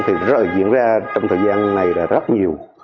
thì diễn ra trong thời gian này là rất nhiều